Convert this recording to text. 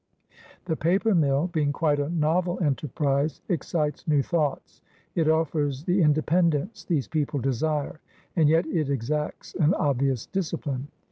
The paper mill, being quite a novel enterprise, excites new thoughts. It offers the independence these people desire, and yet it exacts an obvious discipline.